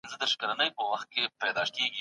لوستې مور د ماشومانو د ناروغۍ مخنيوی کوي.